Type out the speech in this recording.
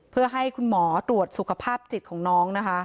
เพื่อให้คุณหมอตรวจสุขภาพจิตของน้องนะคะ